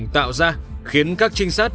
tạo ra khiến các trinh sát